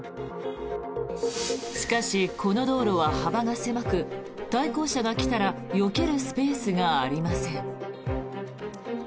しかし、この道路は幅が狭く対向車が来たらよけるスペースがありません。